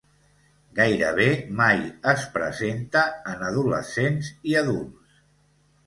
Gairebé mai es presenta en adolescents i adults.